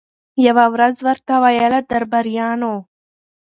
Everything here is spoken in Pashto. یوه ورځ ورته ویله درباریانو